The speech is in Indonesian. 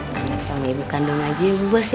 sayang sama ibu kandung aja ya bu bos ya